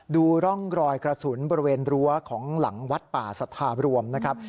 ดูร่องรอยกระสุนบริเวณรั้วของหลังวัดป่าสัทธารวมนะครับ